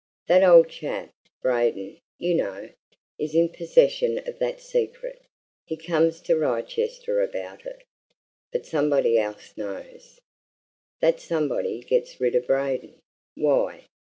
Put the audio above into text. "That old chap, Braden, you know, is in possession of that secret. He comes to Wrychester about it. But somebody else knows. That somebody gets rid of Braden. Why?